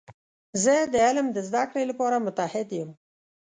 زه د علم د زده کړې لپاره متعهد یم.